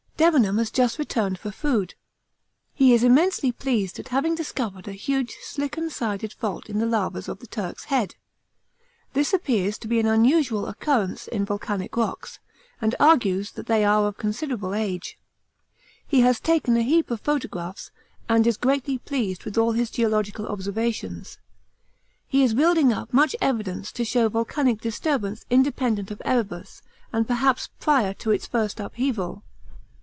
Debenham has just returned for food. He is immensely pleased at having discovered a huge slicken sided fault in the lavas of the Turk's Head. This appears to be an unusual occurrence in volcanic rocks, and argues that they are of considerable age. He has taken a heap of photographs and is greatly pleased with all his geological observations. He is building up much evidence to show volcanic disturbance independent of Erebus and perhaps prior to its first upheaval.